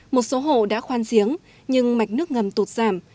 một số hộ đã khoan giếng nhưng mạch nước ngầm tụt giảm